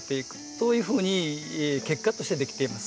そういうふうに結果として出来ています。